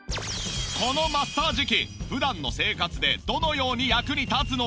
このマッサージ機普段の生活でどのように役に立つのか？